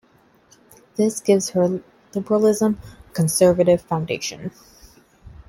This gives their liberalism a conservative foundation.